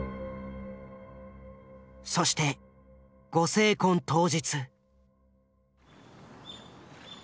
そしてご成婚当日。